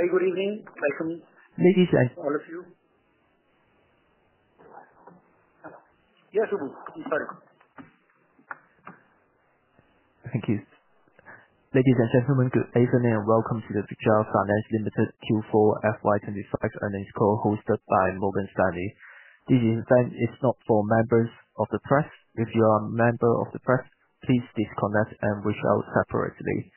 Hey, good evening. Hi, come in. Ladies and gentlemen. All of you. Yes, we will. I'm sorry. Thank you. Ladies and gentlemen, good evening and welcome to the Bajaj Finance Limited Q4 FY25 earnings call hosted by Morgan Stanley. This event is not for members of the press. If you are a member of the press, please disconnect and reach out separately.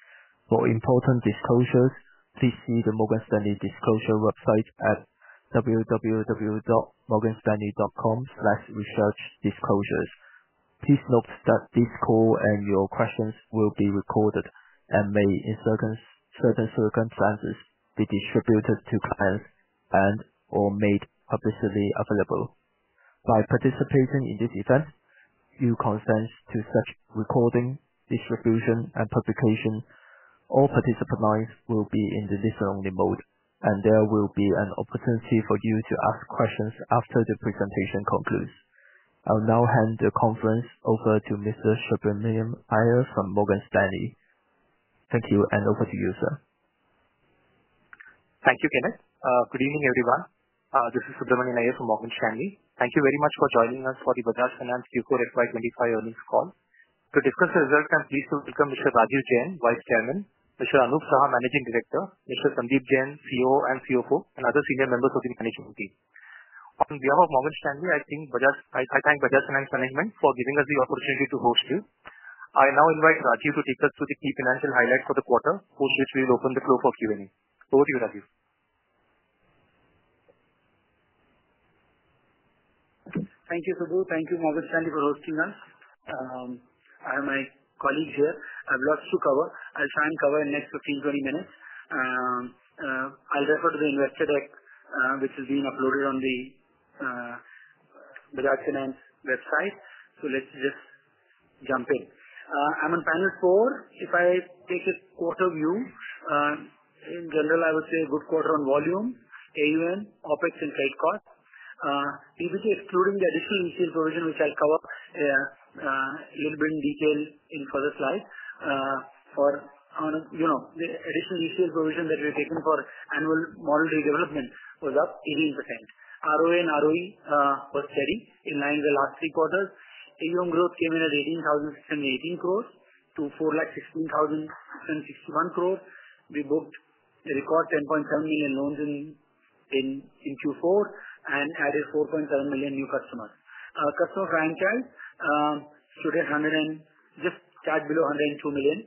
For important disclosures, please see the Morgan Stanley disclosure website at www.morganstanley.com/researchdisclosures. Please note that this call and your questions will be recorded and may, in certain circumstances, be distributed to clients and/or made publicly available. By participating in this event, you consent to such recording, distribution, and publication. All participants will be in the listen-only mode, and there will be an opportunity for you to ask questions after the presentation concludes. I'll now hand the conference over to Mr. Subramaniam Iyer from Morgan Stanley. Thank you, and over to you, sir. Thank you, Kenneth. Good evening, everyone. This is Subramaniam Iyer from Morgan Stanley. Thank you very much for joining us for the Bajaj Finance Q4 FY25 earnings call. To discuss the results, I'm pleased to welcome Mr. Rajeev Jain, Vice Chairman; Mr. Anup Saha, Managing Director; Mr. Sandeep Jain, COO and CFO; and other senior members of the management team. On behalf of Morgan Stanley, I thank Bajaj Finance management for giving us the opportunity to host you. I now invite Rajeev to take us through the key financial highlights for the quarter, post which we will open the floor for Q&A. Over to you, Rajeev. Thank you, Subramaniam. Thank you, Morgan Stanley, for hosting us. I have my colleagues here. I have lots to cover. I'll try and cover in the next 15-20 minutes. I'll refer to the investor deck, which is being uploaded on the Bajaj Finance website. Let's just jump in. I'm on panel four. If I take a quarter view, in general, I would say a good quarter on volume, AUM, OPEX, and trade cost. Even excluding the additional ECL provision, which I'll cover a little bit in detail in further slides, the additional ECL provision that we've taken for annual model redevelopment was up 18%. ROA and ROE were steady in line with the last three quarters. AUM growth came in at 18,618 crore to 416,061 crore. We booked a record 10.7 million loans in Q4 and added 4.7 million new customers. Customer franchise stood at just below 102 million.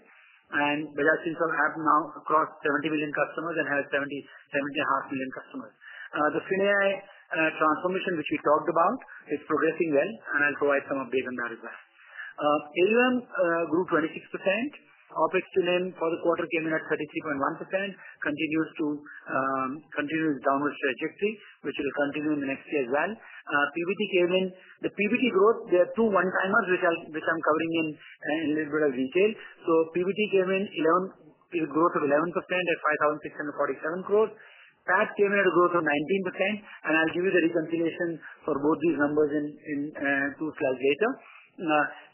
Bajaj Finance has now across 70 million customers and has 70-75 million customers. The FinAI transformation, which we talked about, is progressing well, and I'll provide some updates on that as well. AUM grew 26%. OPEX for the quarter came in at 33.1%, continues to continue its downward trajectory, which will continue in the next year as well. PBT came in. The PBT growth, there are two one-timers, which I'm covering in a little bit of detail. PBT came in with a growth of 11% at 5,647 crore. PAT came in at a growth of 19%. I'll give you the reconciliation for both these numbers in two slides later.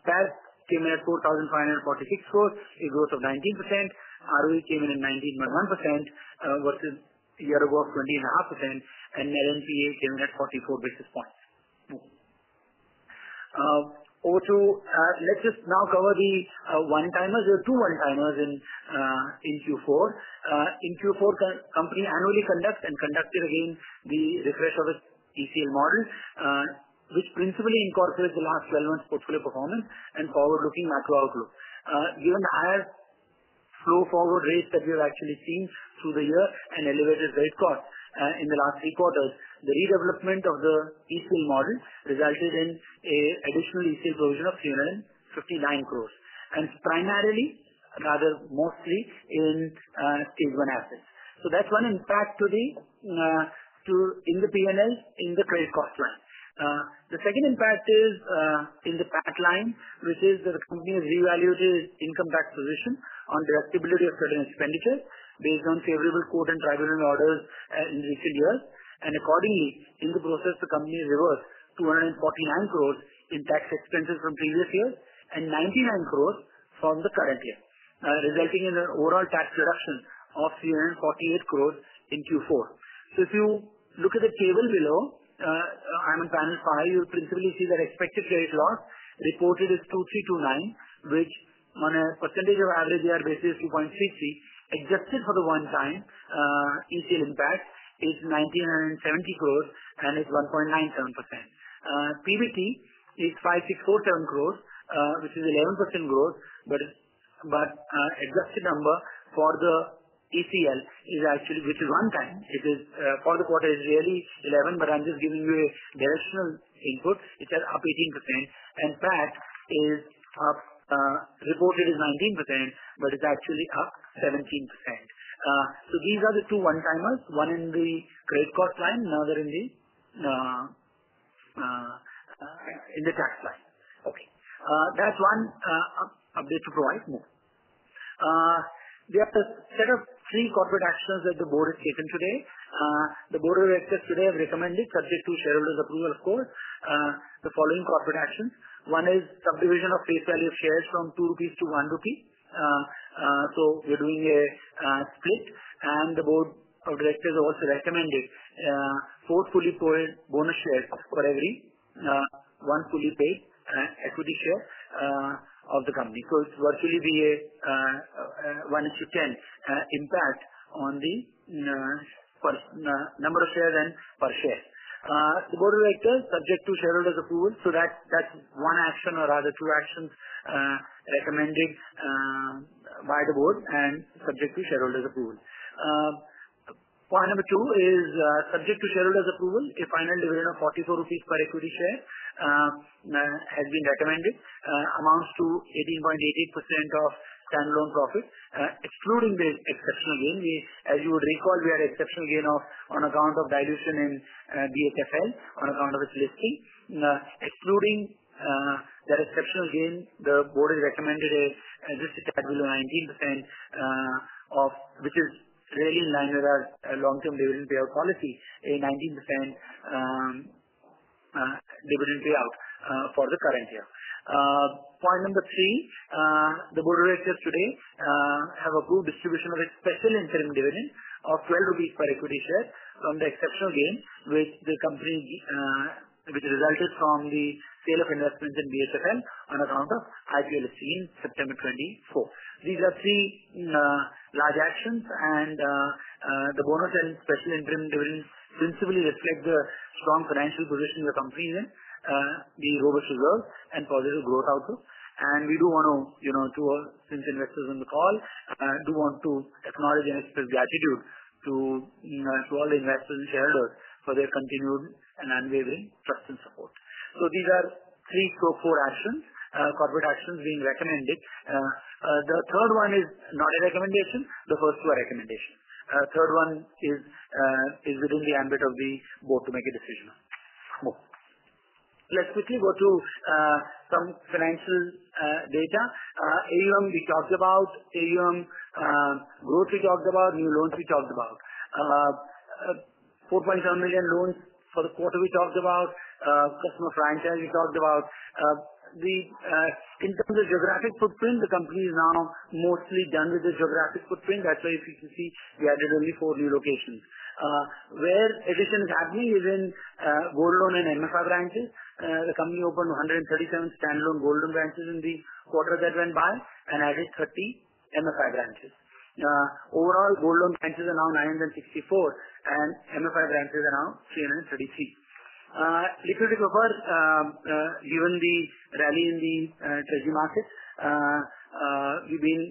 PAT came in at 4,546 crore, a growth of 19%. ROE came in at 19.1% versus a year ago of 20.5%. Net NPA came in at 44 basis points. Let's just now cover the one-timers. There are two one-timers in Q4. In Q4, the company annually conducted and conducted again the refresh of its ECL model, which principally incorporates the last 12 months' portfolio performance and forward-looking macro outlook. Given the higher flow-forward rates that we have actually seen through the year and elevated trade costs in the last three quarters, the redevelopment of the ECL model resulted in an additional ECL provision of 359 crore, and primarily, rather mostly, in stage one assets. That's one impact in the P&L, in the trade cost line. The second impact is in the PAT line, which is that the company has reevaluated its income tax position on deductibility of certain expenditures based on favorable court and tribunal orders in recent years. Accordingly, in the process, the company reversed 249 crore in tax expenses from previous years and 99 crore from the current year, resulting in an overall tax reduction of 348 crore in Q4. If you look at the table below, I'm on panel five, you'll principally see that expected credit loss reported is 2,329 crore, which on a percentage of average AUM basis is 2.33%. Adjusted for the one-time ECL impact, it is 970 crore and is 1.97%. PBT is 5,647 crore, which is 11% growth, but adjusted number for the ECL is actually which is one-time. For the quarter, it's really 11, but I'm just giving you a directional input. It's up 18%. PAT is up reported as 19%, but it's actually up 17%. These are the two one-timers, one in the credit cost line, another in the tax line. Okay. That's one update to provide. There are a set of three corporate actions that the board has taken today. The board of directors today have recommended, subject to shareholders' approval, of course, the following corporate actions. One is subdivision of face value of shares from 2 rupees to 1 rupee. We are doing a split. The board of directors also recommended four fully paid bonus shares for every one fully paid equity share of the company. It will virtually be a 1 to 10 impact on the number of shares and per share. The board of directors, subject to shareholders' approval. That is one action or rather two actions recommended by the board and subject to shareholders' approval. Point number two is, subject to shareholders' approval, a final dividend of 44 rupees per equity share has been recommended, amounts to 18.88% of standalone profit. Excluding the exceptional gain, as you would recall, we had exceptional gain on account of dilution in BHFL on account of its listing. Excluding that exceptional gain, the board has recommended just a tax bill of 19%, which is really in line with our long-term dividend payout policy, a 19% dividend payout for the current year. Point number three, the board of directors today have approved distribution of a special interim dividend of 12 rupees per equity share from the exceptional gain, which the company resulted from the sale of investments in BHFL on account of IPO listing in September 2024. These are three large actions. The bonus and special interim dividends principally reflect the strong financial position of the company in the robust reserve and positive growth outlook. We do want to, to all investors on the call, do want to acknowledge and express gratitude to all the investors and shareholders for their continued and unwavering trust and support. These are three corporate actions being recommended. The third one is not a recommendation. The first two are recommendations. The third one is within the ambit of the board to make a decision. Let's quickly go to some financial data. AUM, we talked about. AUM growth, we talked about. New loans, we talked about. 4.7 million loans for the quarter, we talked about. Customer franchise, we talked about. In terms of geographic footprint, the company is now mostly done with the geographic footprint. That's why if you can see, we added only four new locations. Where addition is happening is in Gold Loan and MFI branches. The company opened 137 standalone Gold Loan branches in the quarter that went by and added 30 MFI branches. Overall, Gold Loan branches are now 964 and MFI branches are now 333. Liquidity buffer, given the rally in the Treasury market, we've been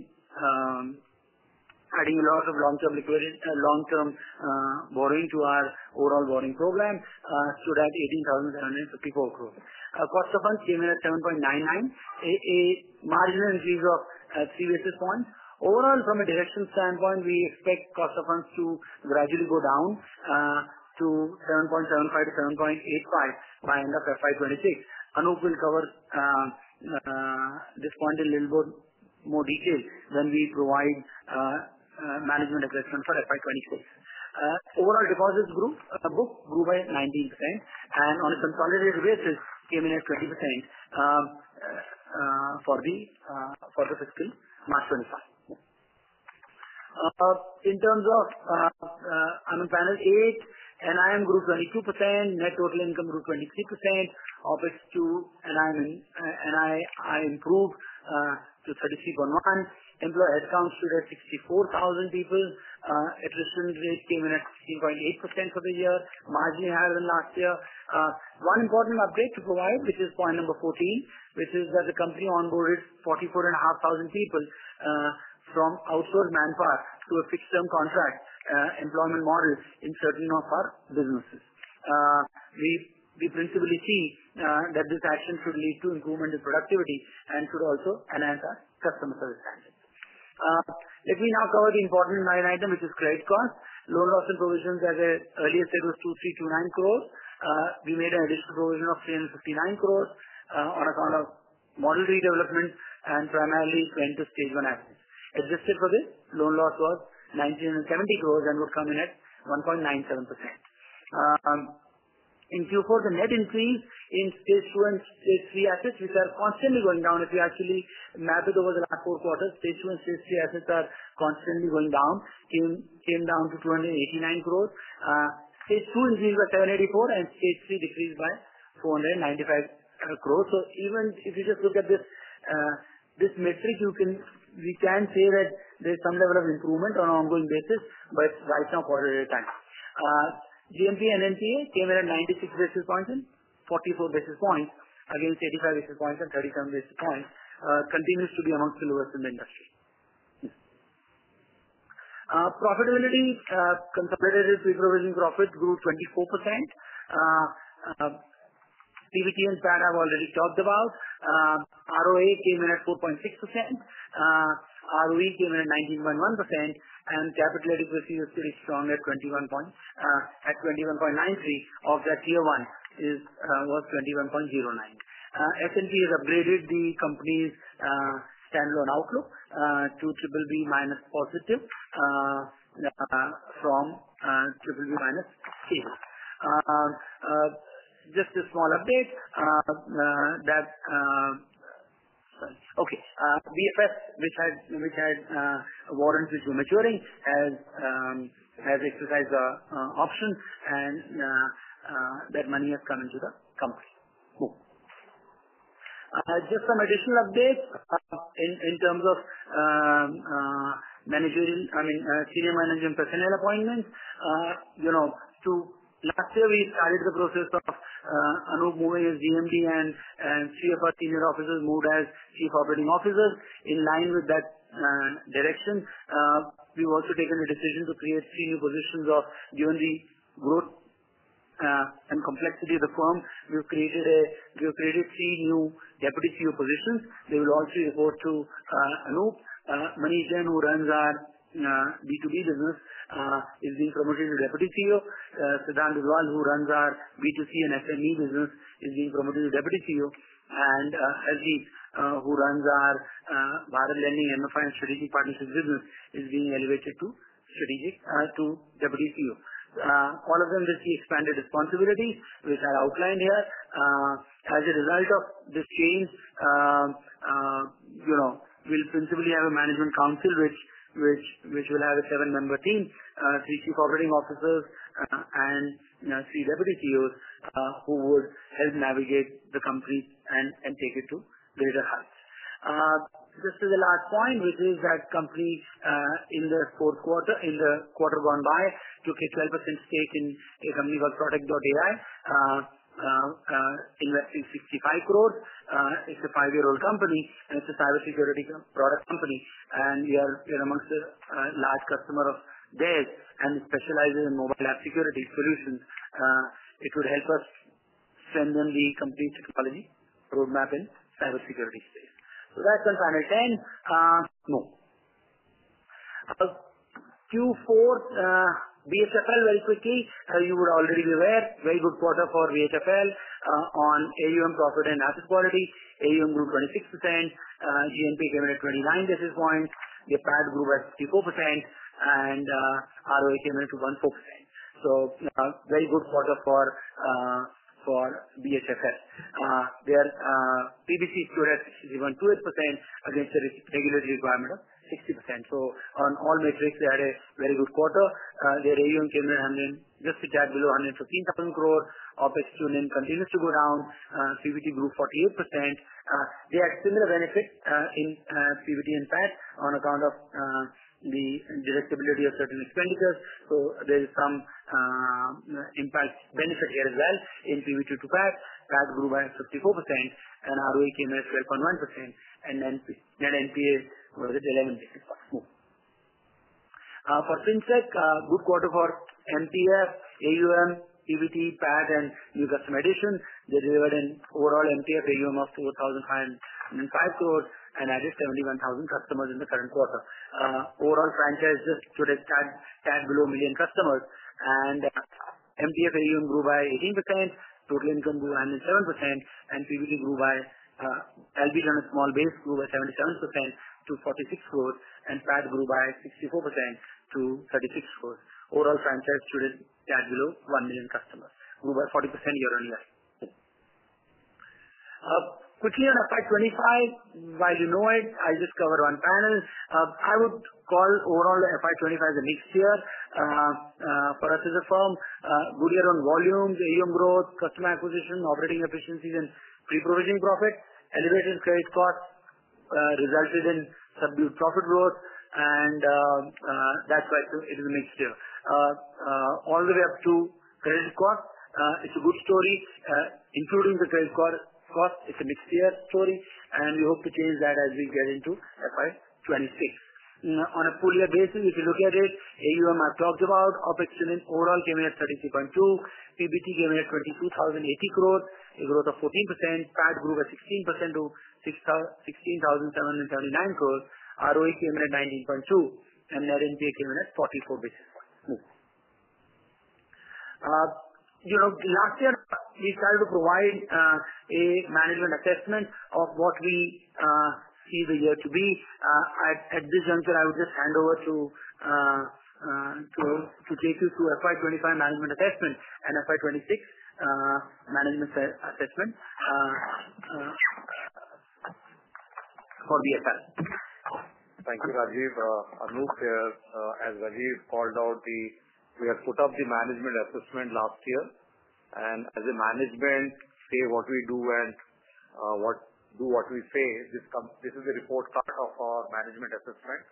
adding a lot of long-term borrowing to our overall borrowing program, stood at 18,754 crore. Cost of funds came in at 7.99%, a marginal increase of three basis points. Overall, from a direction standpoint, we expect cost of funds to gradually go down to 7.75-7.85% by end of fiscal year 2026. Anup will cover this point in a little bit more detail when we provide management assessment for fiscal year 2026. Overall deposits booked grew by 19% and on a consolidated basis came in at 20% for the fiscal March 2025. In terms of I'm on panel eight, NIM grew 22%. Net total income grew 23%. OPEX to NIM improved to 33.1. Employee headcount stood at 64,000 people. Addition rate came in at 16.8% for the year, marginally higher than last year. One important update to provide, which is point number 14, which is that the company onboarded 44,500 people from outsourced manpower to a fixed-term contract employment model in certain of our businesses. We principally see that this action should lead to improvement in productivity and should also enhance our customer service standards. Let me now cover the important line item, which is trade cost. Loan loss and provisions, as I earlier said, was 2,329 crore. We made an additional provision of 359 crore on account of model redevelopment and primarily went to stage one assets. Adjusted for this, loan loss was 1,970 crore and would come in at 1.97%. In Q4, the net increase in stage two and stage three assets, which are constantly going down, if you actually map it over the last four quarters, stage two and stage three assets are constantly going down, came down to 289 crore. Stage two increased by 784 crore and stage three decreased by 495 crore. Even if you just look at this metric, we can say that there's some level of improvement on an ongoing basis, but right now, quarter at a time. GNPA and NNPA came in at 96 basis points and 44 basis points against 85 basis points and 37 basis points. Continues to be amongst the lowest in the industry. Profitability, consolidated pre-provision profit grew 24%. PBT and PAT I've already talked about. ROA came in at 4.6%. ROE came in at 19.1%. Capital adequacy was pretty strong at 21.93, of that tier one was 21.09. S&P has upgraded the company's standalone outlook to BBB- (Positive) from BBB- (Stable). Just a small update that okay. BFS, which had warrants which were maturing, has exercised the option and that money has come into the company. Just some additional updates in terms of managerial, I mean, senior management personnel appointments. Last year, we started the process of Anup moving as GMD and three of our senior officers moved as Chief Operating Officers in line with that direction. We have also taken a decision to create three new positions of given the growth and complexity of the firm. We have created three new Deputy CEO positions. They will all report to Anup. Manish Jain, who runs our B2B business, is being promoted to Deputy CEO. Sidhant Dadwal, who runs our B2C and SME business, is being promoted to Deputy CEO. Ashish, who runs our wire lending MFI and strategic partnership business, is being elevated to Deputy CEO. All of them receive expanded responsibilities, which are outlined here. As a result of this change, we will principally have a management council, which will have a seven-member team, three Chief Operating Officers, and three Deputy CEOs who would help navigate the company and take it to greater heights. Just as a last point, the company in the fourth quarter, in the quarter gone by, took a 12% stake in a company called Protectt.ai, investing INR 650,000,000. It is a five-year-old company. It is a cybersecurity product company. We are amongst the large customers of theirs and it specializes in mobile app security solutions. It would help us send them the complete technology roadmap in the cybersecurity space. That is on panel 10. No. Q4, BHFL, very quickly, you would already be aware, very good quarter for BHFL on AUM, profit, and asset quality. AUM grew 26%. GNPA came in at 29 basis points. The PAT grew by 54%. ROA came in at 1.4%. Very good quarter for BHFL. Their PBC stood at 61.28% against the regulatory requirement of 60%. On all metrics, they had a very good quarter. Their AUM came in just a tad below 115,000 crore. OPEX tune-in continues to go down. PBT grew 48%. They had similar benefits in PBT and PAT on account of the deductibility of certain expenditures. There is some impact benefit here as well in PBT to PAT. PAT grew by 54%. ROA came in at 12.1%. NPA was at 11 basis points. For FinTech, good quarter for MTF, AUM, PBT, PAT, and new customer addition. They delivered an overall MTF AUM of 4,505 crore and added 71,000 customers in the current quarter. Overall franchise just stood a tad below a million customers. MTF AUM grew by 18%. Total income grew 107%. PBT grew by LBD on a small base, grew by 77% to 46 crore. PAT grew by 64% to 36 crore. Overall franchise stood at tad below one million customers, grew by 40% year on year. Quickly on FY2025, while you know it, I'll just cover one panel. I would call overall FY2025 a mixed year for us as a firm. Good year on volumes, AUM growth, customer acquisition, operating efficiencies, and pre-provisioning profit. Elevated credit cost resulted in subdued profit growth. That is why it is a mixed year. All the way up to credit cost, it's a good story. Including the credit cost, it's a mixed year story. We hope to change that as we get into FY 2026. On a full year basis, if you look at it, AUM I have talked about. OPEX tune-in overall came in at 33.2. PBT came in at 22,080 crore, a growth of 14%. PAT grew by 16% to 16,779 crore. ROE came in at 19.2. Net NPA came in at 44 basis points. Last year, we started to provide a management assessment of what we see the year to be. At this juncture, I would just hand over to take you to FY 2025 management assessment and FY 2026 management assessment for BHF. Thank you, Rajeev. Anup here. As Rajeev called out, we have put up the management assessment last year. As a management, say what we do and do what we say, this is the report card of our management assessment.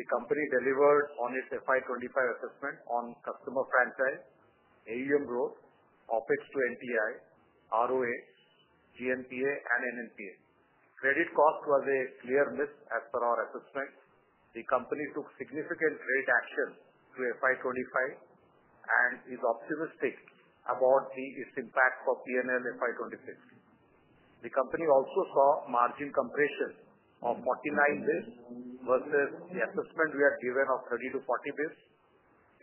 The company delivered on its FY2025 assessment on customer franchise, AUM growth, OPEX to NTI, ROA, GNPA, and NNPA. Credit cost was a clear miss as per our assessment. The company took significant rate action to FY2025 and is optimistic about its impact for P&L FY2026. The company also saw margin compression of 49 basis points versus the assessment we had given of 30-40 basis points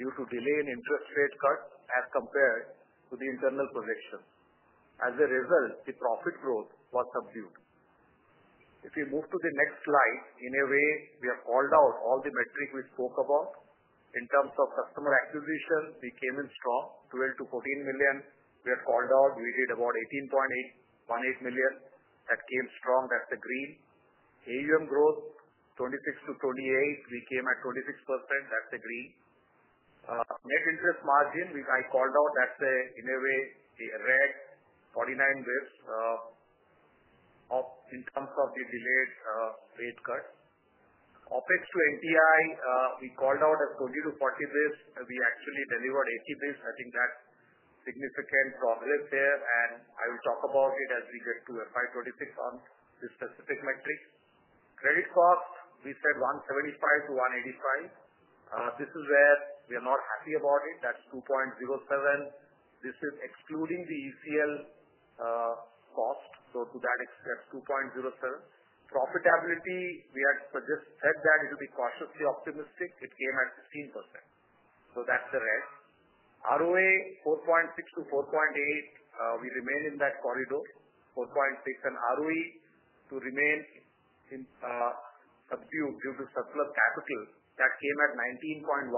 due to delay in interest rate cuts as compared to the internal projection. As a result, the profit growth was subdued. If you move to the next slide, in a way, we have called out all the metrics we spoke about. In terms of customer acquisition, we came in strong, 12-14 million. We had called out, we did about 18.88 million. That came strong. That's the green. AUM growth, 26-28%, we came at 26%. That's the green. Net interest margin, I called out, that's in a way a red, 49 basis points in terms of the delayed rate cut. OPEX to NTI, we called out as 20-40 basis points. We actually delivered 80 basis points. I think that's significant progress there. I will talk about it as we get to FY2026 on this specific metric. Credit cost, we said 175-185 basis points. This is where we are not happy about it. That's 2.07%. This is excluding the ECL cost. To that extent, 2.07%. Profitability, we had just said that it would be cautiously optimistic. It came at 15%. That's the red. ROA, 4.6-4.8, we remain in that corridor, 4.6. And ROE to remain subdued due to surplus capital, that came at 19.1.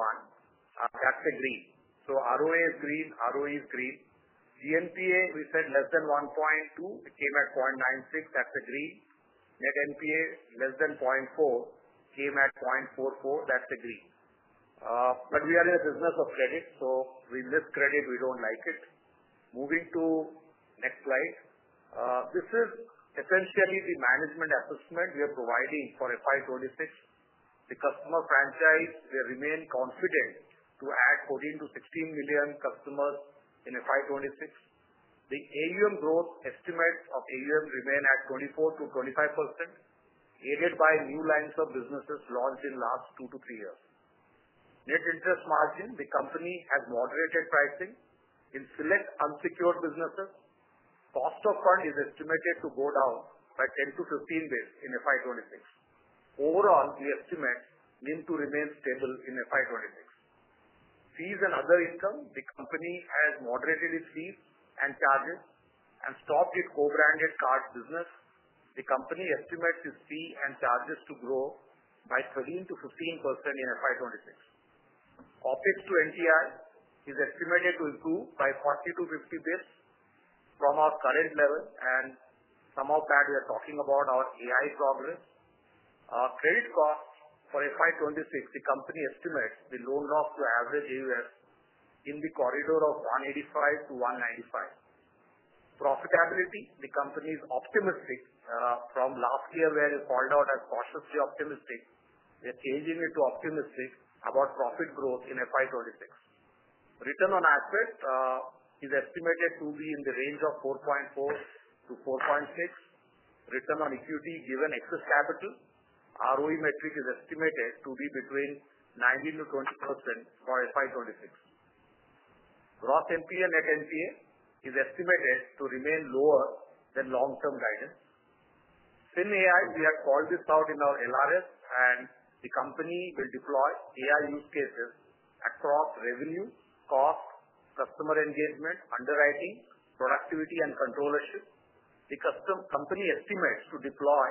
That's the green. So ROA is green. ROE is green. GNPA, we said less than 1.2. It came at 0.96. That's the green. Net NPA, less than 0.4, came at 0.44. That's the green. We are in a business of credit. We miss credit. We don't like it. Moving to next slide. This is essentially the management assessment we are providing for FY2026. The customer franchise, they remain confident to add 14-16 million customers in FY2026. The AUM growth estimates of AUM remain at 24-25%, aided by new lines of businesses launched in the last two to three years. Net interest margin, the company has moderated pricing in select unsecured businesses. Cost of fund is estimated to go down by 10-15 basis points in FY2026. Overall, we estimate need to remain stable in FY2026. Fees and other income, the company has moderated its fees and charges and stopped its co-branded card business. The company estimates its fee and charges to grow by 13-15% in FY2026. OPEX to NTI is estimated to improve by 40-50 basis points from our current level. Some of that, we are talking about our FinAI progress. Credit cost for FY2026, the company estimates the loan loss to average AUM in the corridor of 185-195 basis points. Profitability, the company is optimistic from last year where they called out as cautiously optimistic. They are changing it to optimistic about profit growth in FY2026. Return on asset is estimated to be in the range of 4.4-4.6%. Return on equity given excess capital. ROE metric is estimated to be between 19-20% for FY2026. Gross NPA and net NPA is estimated to remain lower than long-term guidance. FinAI, we have called this out in our LRF, and the company will deploy FinAI use cases across revenue, cost, customer engagement, underwriting, productivity, and controllership. The company estimates to deploy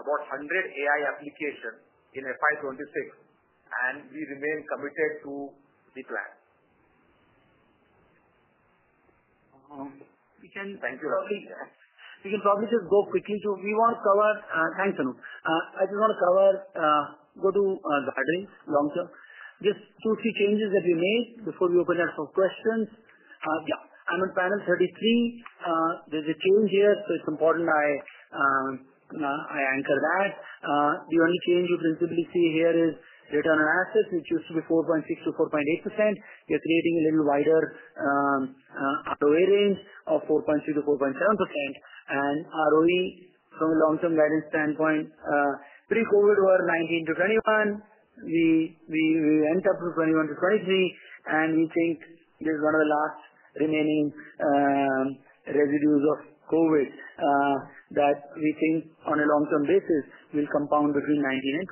about 100 FinAI applications in FY2026, and we remain committed to the plan. We can probably just go quickly to we want to cover thanks, Anup. I just want to cover go to guidance, long term. Just two or three changes that we made before we open up for questions. Yeah. I'm on panel 33. There's a change here, so it's important I anchor that. The only change you principally see here is return on assets, which used to be 4.6-4.8%. We are creating a little wider ROA range of 4.3-4.7%. And ROE, from a long-term guidance standpoint, pre-COVID were 19-21. We end up with 21-23. And we think this is one of the last remaining residues of COVID that we think on a long-term basis will compound between 19 and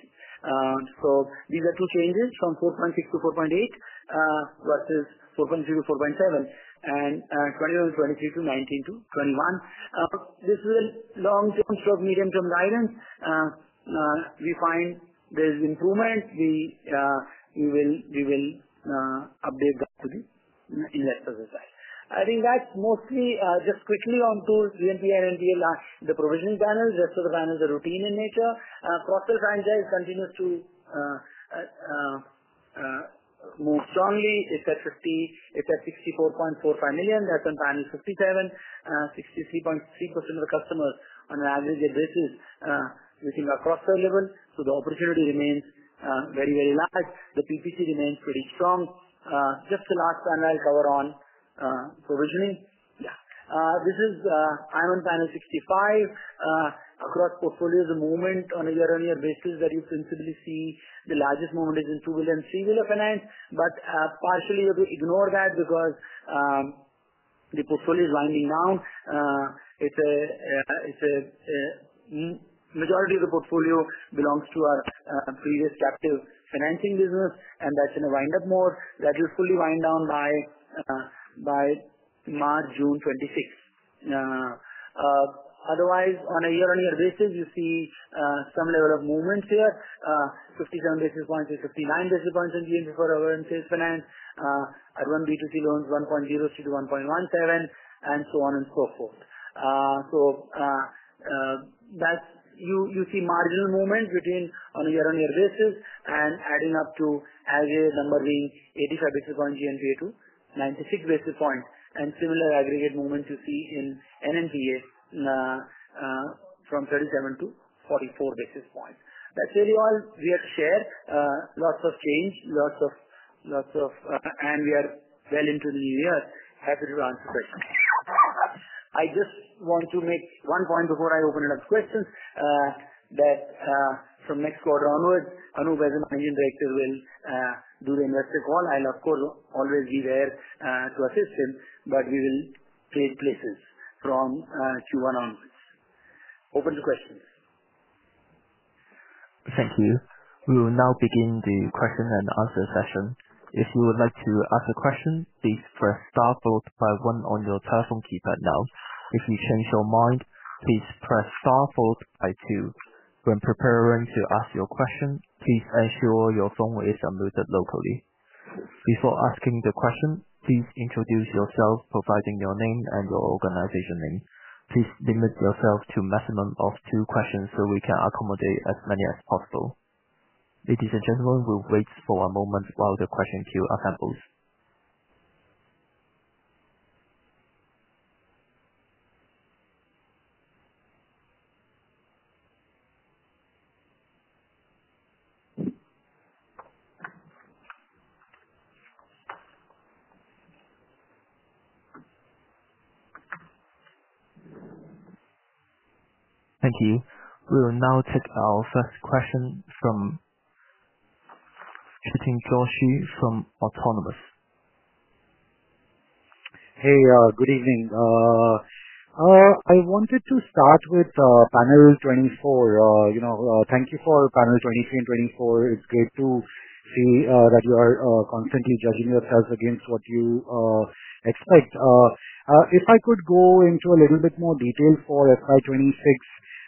21%. So these are two changes from 4.6-4.8 versus 4.3-4.7 and 21-23 to 19-21. This is a long-term stroke, medium-term guidance. We find there's improvement. We will update that to the investors' side. I think that's mostly just quickly on tools GNPA and NPA, the provisioning panels. The rest of the panels are routine in nature. Crossfill franchise continues to move strongly. It's at 64.45 million. That's on panel 57. 63.3% of the customers on an aggregate basis within our cross-sell level. The opportunity remains very, very large. The PPC remains pretty strong. Just the last panel I'll cover on provisioning. This is I'm on panel 65. Across portfolios, the movement on a year-on-year basis that you principally see, the largest movement is in two-wheel and three-wheeler finance. Partially, we ignore that because the portfolio is winding down. The majority of the portfolio belongs to our previous captive financing business, and that's going to wind up more. That will fully wind down by March, June 2026. Otherwise, on a year-on-year basis, you see some level of movement here. 57 basis points to 59 basis points in GNPA for overall and phase finance. Advanced B2C loans, 1.03 to 1.17, and so on and so forth. You see marginal movement between on a year-on-year basis and adding up to as a number being 85 basis points GNPA to 96 basis points. Similar aggregate movement you see in NNPA from 37 to 44 basis points. That is really all we have to share. Lots of change, lots of. We are well into the new year. Happy to answer questions. I just want to make one point before I open it up to questions that from next quarter onwards, Anup as Managing Director will do the investor call. I'll, of course, always be there to assist him, but we will trade places from Q1 onwards. Open to questions. Thank you. We will now begin the question and answer session. If you would like to ask a question, please press star 1 on your telephone keypad now. If you change your mind, please press star 2. When preparing to ask your question, please ensure your phone is unmuted locally. Before asking the question, please introduce yourself, providing your name and your organization name. Please limit yourself to a maximum of two questions so we can accommodate as many as possible. Ladies and gentlemen, we'll wait for a moment while the question queue assembles. Thank you. We will now take our first question from Chintan Joshi from Autonomous. Hey, good evening. I wanted to start with panel 24. Thank you for panel 23 and 24. It's great to see that you are constantly judging yourselves against what you expect. If I could go into a little bit more detail for FY2026,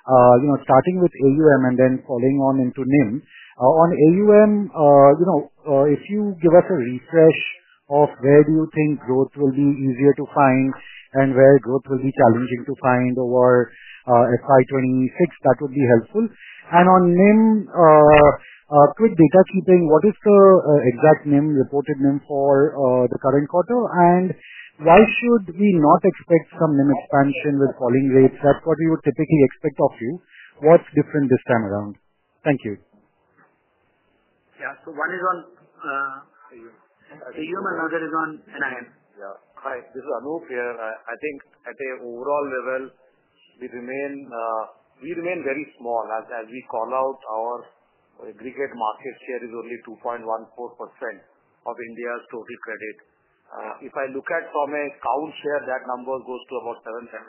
starting with AUM and then following on into NIM. On AUM, if you give us a refresh of where do you think growth will be easier to find and where growth will be challenging to find over FY2026, that would be helpful. On NIM, quick data keeping, what is the exact NIM, reported NIM for the current quarter? Why should we not expect some NIM expansion with falling rates? That's what we would typically expect of you. What's different this time around? Thank you. Yeah. One is on AUM. Another is on NIM. Yeah. Hi. This is Anup here. I think at an overall level, we remain very small. As we call out, our aggregate market share is only 2.14% of India's total credit. If I look at from a count share, that number goes to about 7-7.5%.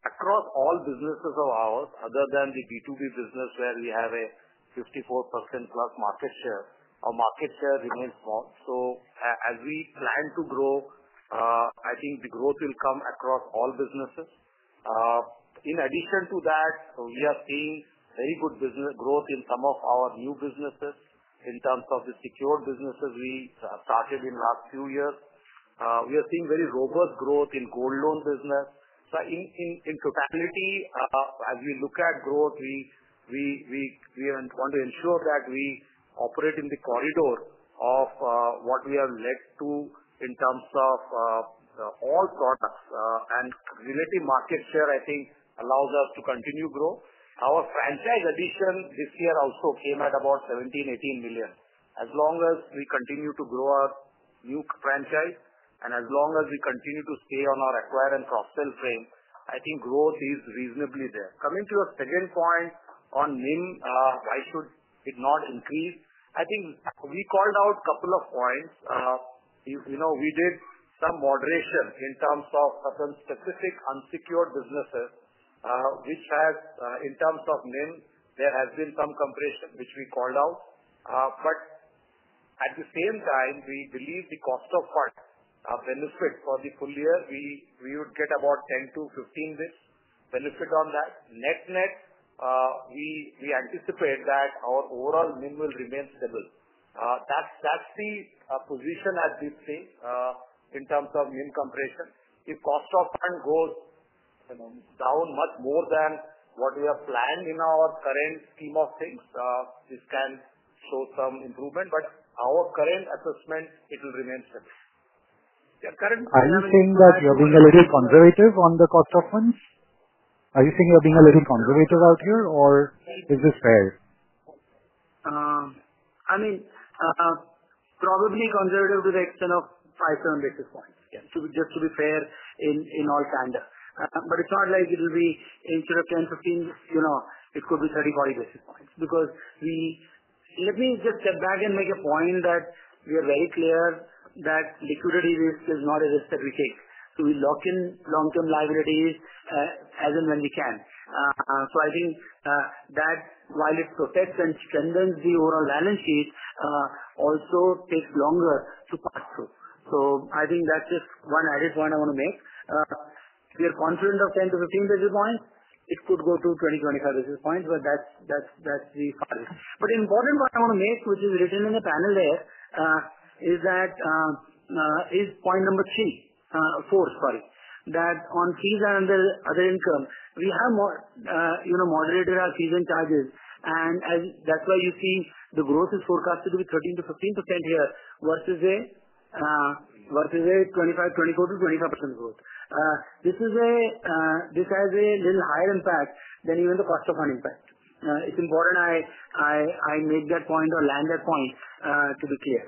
Across all businesses of ours, other than the B2B business where we have a 54% plus market share, our market share remains small. As we plan to grow, I think the growth will come across all businesses. In addition to that, we are seeing very good growth in some of our new businesses in terms of the secured businesses we started in the last few years. We are seeing very robust growth in gold loan business. In totality, as we look at growth, we want to ensure that we operate in the corridor of what we have led to in terms of all products. Relative market share, I think, allows us to continue to grow. Our franchise addition this year also came at about 17-18 million. As long as we continue to grow our new franchise and as long as we continue to stay on our acquire and crossfill frame, I think growth is reasonably there. Coming to your second point on NIM, why should it not increase? I think we called out a couple of points. We did some moderation in terms of some specific unsecured businesses, which has in terms of NIM, there has been some compression, which we called out. At the same time, we believe the cost of fund benefit for the full year, we would get about 10-15 basis points benefit on that. Net net, we anticipate that our overall NIM will remain stable. That is the position at this stage in terms of NIM compression. If cost of fund goes down much more than what we have planned in our current scheme of things, this can show some improvement. Our current assessment, it will remain stable. Yeah, current. Are you saying that you're being a little conservative on the cost of funds? Are you saying you're being a little conservative out here, or is this fair? I mean, probably conservative to the extent of 5-7 basis points. Just to be fair in all candor. It is not like it will be instead of 10-15, it could be 30-40 basis points. Let me just step back and make a point that we are very clear that liquidity risk is not a risk that we take. We lock in long-term liabilities as and when we can. I think that while it protects and strengthens the overall balance sheet, it also takes longer to pass through. I think that is just one added point I want to make. We are confident of 10-15 basis points. It could go to 20-25 basis points, but that is the final. The important point I want to make, which is written in the panel there, is that is point number three, four, sorry, that on fees and other income, we have moderated our fees and charges. That's why you see the growth is forecasted to be 13-15% here versus a 24-25% growth. This has a little higher impact than even the cost of fund impact. It's important I make that point or land that point to be clear.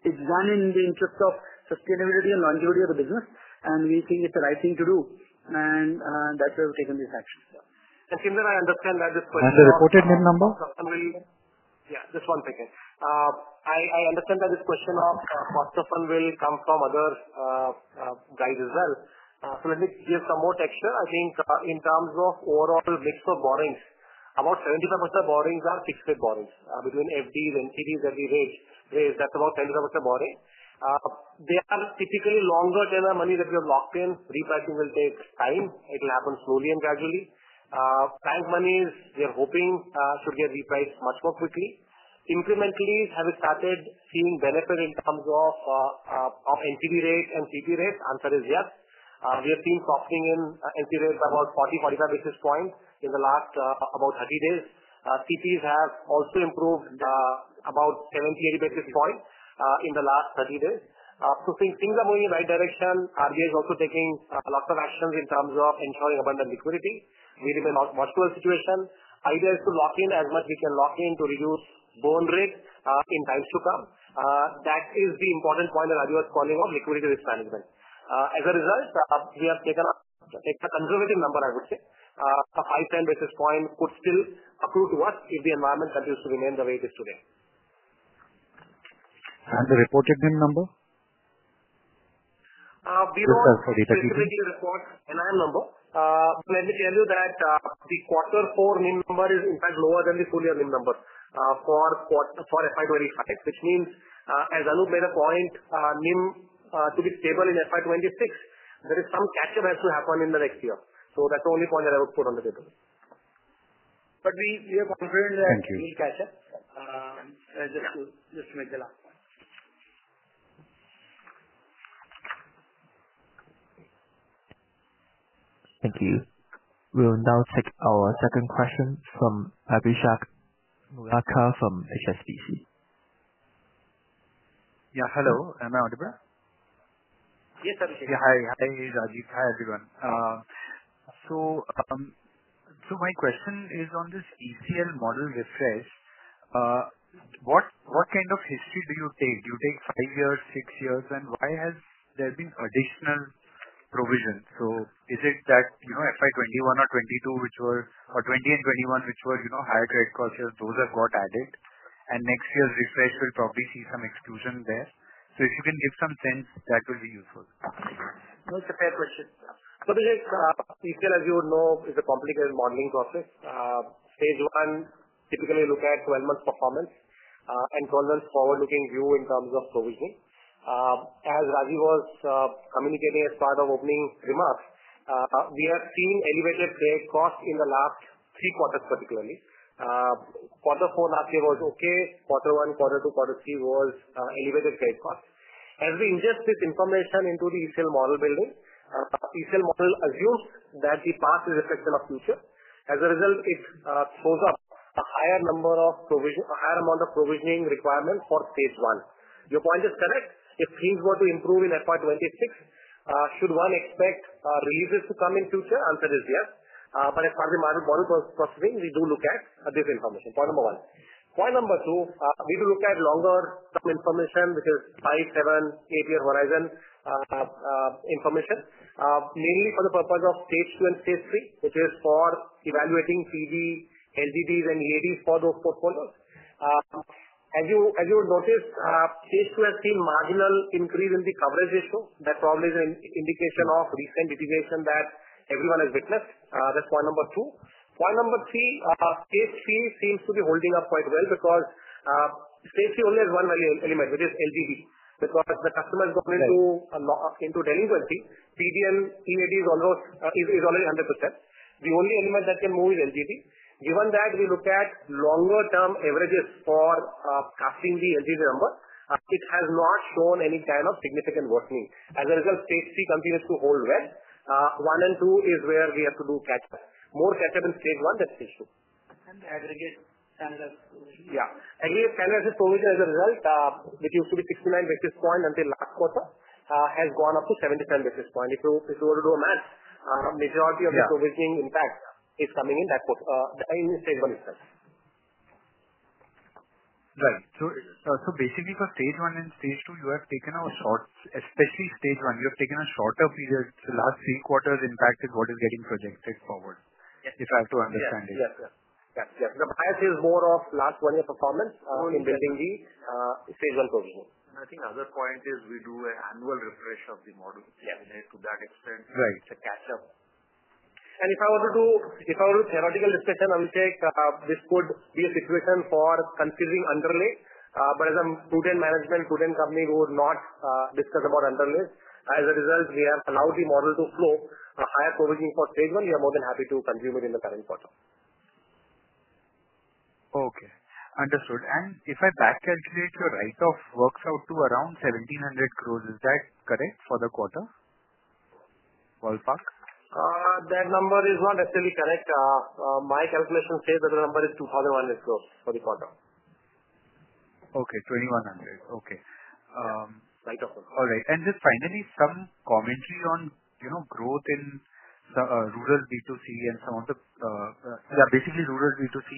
It's done in the interest of sustainability and longevity of the business, and we think it's the right thing to do. That's why we've taken this action. Yeah. As soon as I understand that question. The reported NIM number? Yeah. Just one second. I understand that this question of cost of fund will come from other guys as well. Let me give some more texture. I think in terms of overall mix of borrowings, about 75% of borrowings are fixed-rate borrowings between FDs, NCDs, every rate. That is about 75% borrowing. They are typically longer-term money that we have locked in. Repricing will take time. It will happen slowly and gradually. Bank money, we are hoping should get repriced much more quickly. Incrementally, have we started seeing benefit in terms of NCD rate and CP rate? Answer is yes. We have seen softening in NCD (Non-Convertible Debenture) rate by about 40-45 basis points in the last about 30 days. CPs have also improved about 70-80 basis points in the last 30 days. Things are moving in the right direction. RBI is also taking a lot of actions in terms of ensuring abundant liquidity. We remain a much cooler situation. Idea is to lock in as much we can lock in to reduce burn rate in times to come. That is the important point that RBI was calling out, liquidity risk management. As a result, we have taken a conservative number, I would say, a 5-10 basis point could still accrue to us if the environment continues to remain the way it is today. The reported NIM number? We know. Just for the. Liquidity report, NIM number. Let me tell you that the quarter four NIM number is in fact lower than the full year NIM number for FY25, which means, as Anup made a point, NIM to be stable in FY26, there is some catch-up has to happen in the next year. That is the only point that I would put on the table. We are confident that we'll catch up. Just to make the last point. Thank you. We will now take our second question from Abhishek Murarka from HSBC. Yeah. Hello. Am I audible? Yes, Abhishek. Yeah. Hi. Hi, Rajeev. Hi, everyone. My question is on this ECL model refresh. What kind of history do you take? Do you take five years, six years, and why has there been additional provision? Is it that FY 2021 or 2022, which were, or 2020 and 2021, which were higher credit costs, those have got added, and next year's refresh will probably see some exclusion there? If you can give some sense, that will be useful. No, it's a fair question. ECL, as you would know, is a complicated modeling process. Stage 1 typically looks at 12-month performance and 12-month forward-looking view in terms of provision. As Rajeev was communicating as part of opening remarks, we have seen elevated trade costs in the last three quarters, particularly. Quarter four last year was okay. Quarter one, quarter two, quarter three was elevated trade costs. As we ingest this information into the ECL model building, ECL model assumes that the past is a reflection of future. As a result, it shows up a higher number of provision, a higher amount of provisioning requirement for phase one. Your point is correct. If things were to improve in FY2026, should one expect releases to come in future? Answer is yes. As far as the model processing, we do look at this information. Point number one. Point number two, we do look at longer-term information, which is five, seven, eight-year horizon information, mainly for the purpose of stage two and stage three, which is for evaluating PD, LGDs, and EADs for those portfolios. As you will notice, stage two has seen marginal increase in the coverage issue. That probably is an indication of recent litigation that everyone has witnessed. That is point number two. Point number three, stage three seems to be holding up quite well because stage three only has one value element, which is LGD. Because the customer has gone into delinquency, PD and EAD is already 100%. The only element that can move is LGD. Given that, we look at longer-term averages for casting the LGD number. It has not shown any kind of significant worsening. As a result, stage three continues to hold well. One and two is where we have to do catch-up. More catch-up in stage one, that is stage two. And aggregate standardized provision. Yeah. Aggregate standardized provision, as a result, which used to be 69 basis points until last quarter, has gone up to 77 basis points. If you were to do a math, majority of the provisioning impact is coming in that quarter, in stage one itself. Right. So basically, for stage one and stage two, you have taken out short, especially stage one. You have taken a shorter period. So last three quarters' impact is what is getting projected forward, if I have to understand it. Yes. Yes. Yes. Yes. The bias is more of last one-year performance in building the stage one provision. I think the other point is we do an annual refresh of the model. It's related to that extent. It's a catch-up. If I were to do, if I were to do theoretical discussion, I will say this could be a situation for confusing underlay. As I am prudent management, prudent company, we would not discuss about underlays. As a result, we have allowed the model to flow a higher provisioning for stage one. We are more than happy to consume it in the current quarter. Okay. Understood. If I back-calculate, your write-off works out to around 1,700 crore, is that correct for the quarter? Ballpark? That number is not necessarily correct. My calculation says that the number is 2,100 crore for the quarter. Okay. 2,100. Okay. Right of works. All right. Just finally, some commentary on growth in rural B2C and some of the, yeah, basically rural B2C,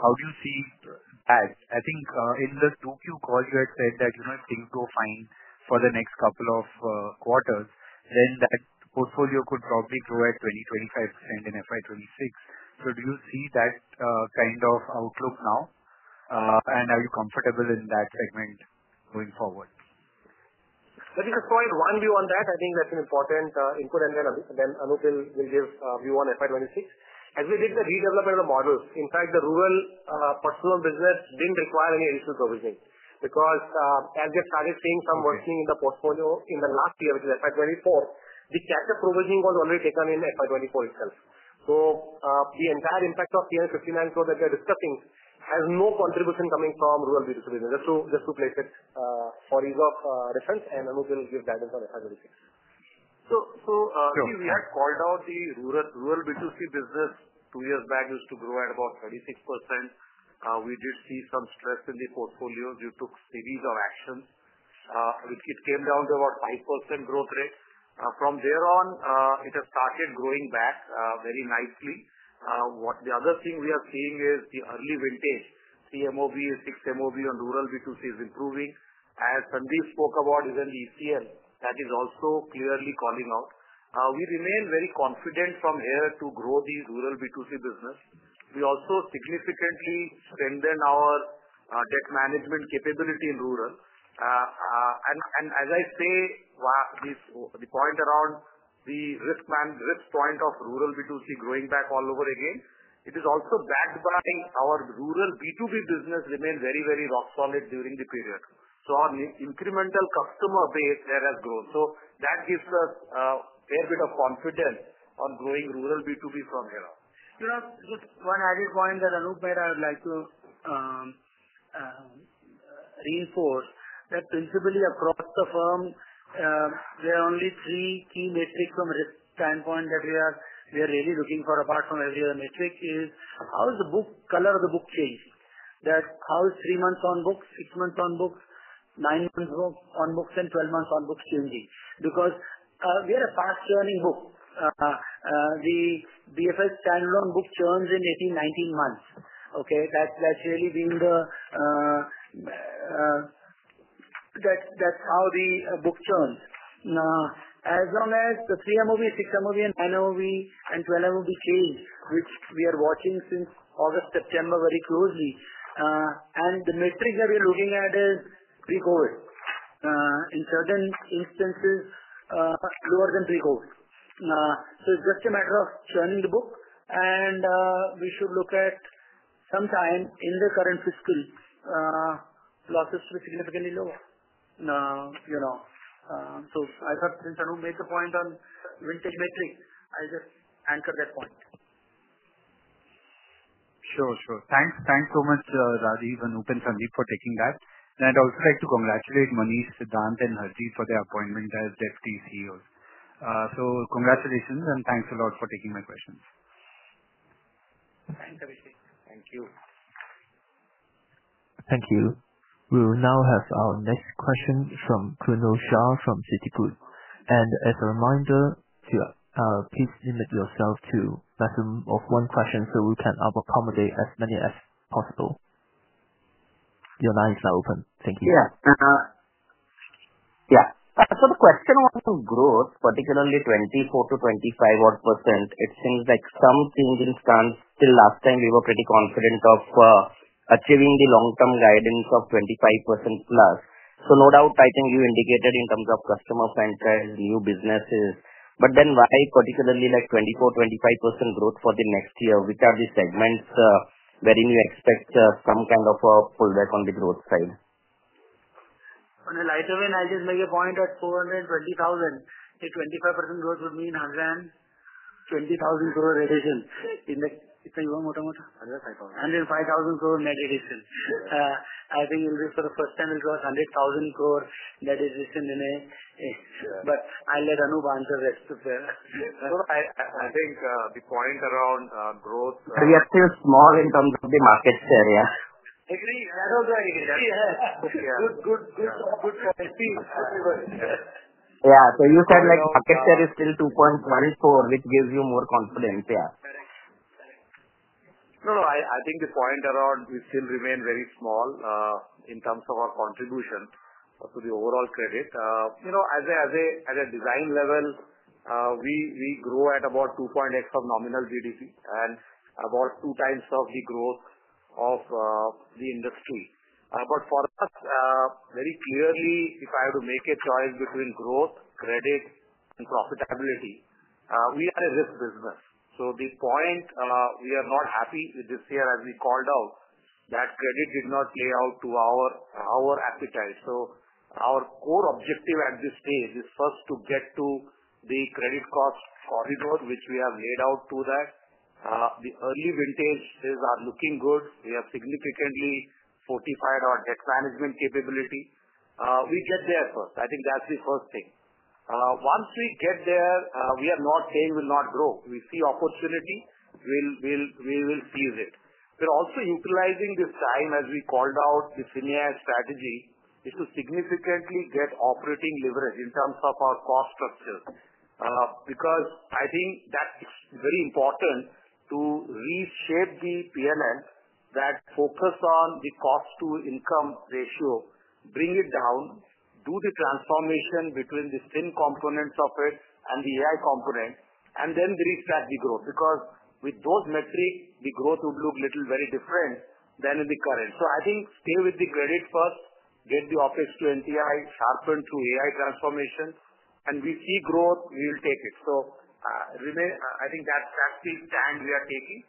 how do you see that? I think in the 2Q call, you had said that if things go fine for the next couple of quarters, then that portfolio could probably grow at 20-25% in FY2026. Do you see that kind of outlook now? Are you comfortable in that segment going forward? Let me just point one view on that. I think that's an important input. Anup will give view on FY26. As we did the redevelopment of the models, in fact, the rural personal business did not require any additional provisioning. Because as we have started seeing some worsening in the portfolio in the last year, which is FY2024, the catch-up provisioning was already taken in FY2024 itself. The entire impact of 59 crore that we are discussing has no contribution coming from rural B2C business. Just to place it for ease of reference, Anup will give guidance on FY2026. We had called out the rural B2C business two years back used to grow at about 36%. We did see some stress in the portfolios. You took series of actions. It came down to about 5% growth rate. From there on, it has started growing back very nicely. The other thing we are seeing is the early vintage. 3 MOB, 6 MOB on rural B2C is improving. As Sandeep spoke about, even the ECL, that is also clearly calling out. We remain very confident from here to grow the rural B2C business. We also significantly strengthened our debt management capability in rural. As I say, the point around the risk point of rural B2C growing back all over again, it is also backed by our rural B2B business remained very, very rock solid during the period. Our incremental customer base there has grown. That gives us a fair bit of confidence on growing rural B2B from here on. Just one added point that Anup made, I would like to reinforce that principally across the firm, there are only three key metrics from a risk standpoint that we are really looking for, apart from every other metric, is how is the book color of the book changing? That how is three months on books, six months on books, nine months on books, and 12 months on books changing? Because we are a fast-churning book. The BFS standalone book churns in 18-19 months. Okay? That's really been the that's how the book churns. As long as the 3 MOB, 6 MOB, 9 MOB, and 12 MOB change, which we are watching since August, September very closely, and the metric that we are looking at is pre-COVID. In certain instances, lower than pre-COVID. It is just a matter of churning the book, and we should look at sometime in the current fiscal losses to be significantly lower. I thought since Anup made the point on vintage metrics, I just anchor that point. Sure. Sure. Thanks. Thanks so much, Rajeev and Anup and Sandeep for taking that. I would also like to congratulate Manish, Sadhan, and Harjeet for their appointment as Deputy CEOs. Congratulations, and thanks a lot for taking my questions. Thanks, Abhishek. Thank you. Thank you. We will now have our next question from Kunal Shah from Citigroup. As a reminder, please limit yourself to a maximum of one question so we can accommodate as many as possible. Your line is now open. Thank you. Yes. Yeah. The question on growth, particularly 24-25%-odd, it seems like some things in stance. Till last time, we were pretty confident of achieving the long-term guidance of 25% plus. No doubt, I think you indicated in terms of customer franchise, new businesses. Then why particularly 24-25% growth for the next year? Which are the segments wherein you expect some kind of a pullback on the growth side? Lighter way analysis, make a point at 420,000. A 25% growth would mean INR 120,000 crore reduction in the—it is even more—INR 105,000. INR 105,000 crore net reduction. I think for the first time, it will be 100,000 crore net reduction in a—but I'll let Anup answer that. I think the point around growth. Reactive small in terms of the market share, yeah. Agree. That was very good. Yeah. Good, good, good point. Yeah. You said market share is still 2.14, which gives you more confidence, yeah. Correct. Correct. No, I think the point around we still remain very small in terms of our contribution to the overall credit. As a design level, we grow at about 2.x of nominal GDP and about two times of the growth of the industry. For us, very clearly, if I were to make a choice between growth, credit, and profitability, we are a risk business. The point we are not happy with this year, as we called out, is that credit did not play out to our appetite. Our core objective at this stage is first to get to the credit cost corridor, which we have laid out. The early vintage is looking good. We have significantly fortified our debt management capability. We get there first. I think that's the first thing. Once we get there, we are not saying we will not grow. We see opportunity. We will seize it. We're also utilizing this time, as we called out, the FinAI strategy is to significantly get operating leverage in terms of our cost structure. Because I think that it's very important to reshape the P&L, that focus on the cost-to-income ratio, bring it down, do the transformation between the Fin components of it and the FinAI component, and then restart the growth. Because with those metrics, the growth would look a little very different than in the current. I think stay with the credit first, get the OPEX to NIM, sharpen through FinAII transformation, and we see growth, we will take it. I think that's the stand we are taking.